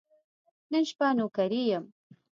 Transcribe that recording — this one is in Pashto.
نن شپه نوکري یم .